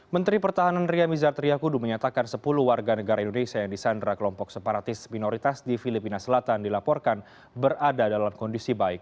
menteri pertahanan ria mizar triakudu menyatakan sepuluh warga negara indonesia yang disandra kelompok separatis minoritas di filipina selatan dilaporkan berada dalam kondisi baik